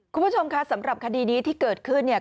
คุณผู้ชมคะสำหรับคดีนี้ที่เกิดขึ้นเนี่ย